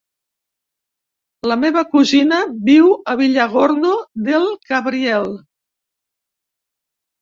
La meva cosina viu a Villargordo del Cabriel.